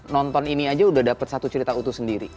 nonton ini aja udah dapet satu cerita utuh sendiri